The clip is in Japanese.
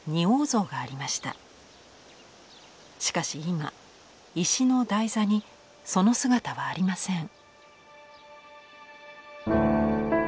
しかし今石の台座にその姿はありません。